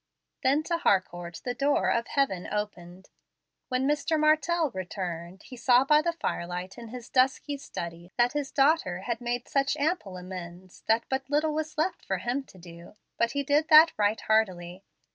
Then to Harcourt the door of heaven opened. When Mr. Martell returned, he saw by the firelight in his dusky study that his daughter had made such ample amends that but little was left for him to do; but he did that right heartily.